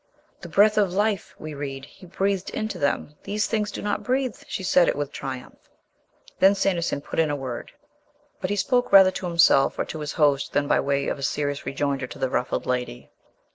"The '_ breath_ of life,' we read, 'He breathed into them. These things do not breathe." She said it with triumph. Then Sanderson put in a word. But he spoke rather to himself or to his host than by way of serious rejoinder to the ruffled lady.